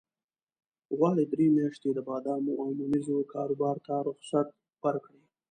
غواړي درې میاشتې د بادامو او ممیزو کاروبار ته رخصت ورکړي.